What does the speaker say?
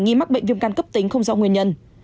nghi mắc bệnh viêm gan cấp tính không rõ nguyên nhân